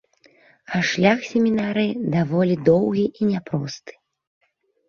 А шлях семінарыі даволі доўгі і няпросты.